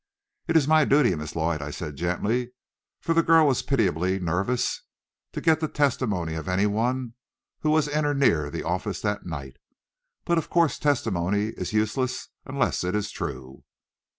"It is my duty, Miss Lloyd," I said gently, for the girl was pitiably nervous, "to get the testimony of any one who was in or near the office that night. But of course testimony is useless unless it is true."